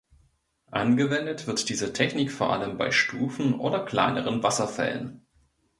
Angewendet wird diese Technik vor allem bei Stufen oder kleineren Wasserfällen.